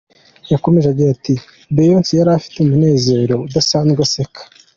Yakomeje agira ati: “Beyonce yari afite umunezero udasanzwe, aseka …”.